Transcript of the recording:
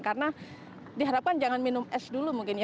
karena diharapkan jangan minum es dulu mungkin ya